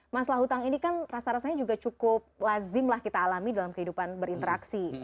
masalah hutang ini kan rasa rasanya juga cukup lazim lah kita alami dalam kehidupan berinteraksi